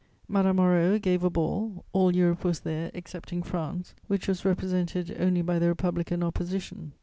Madame Moreau gave a ball: all Europe was there, excepting France, which was represented only by the Republican Opposition.